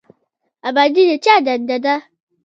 ابادي د چا دنده ده؟